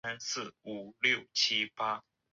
她当前住在洛杉矶。